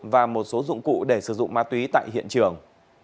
và một số dụng cụ để sử dụng ma túy tại hiện trường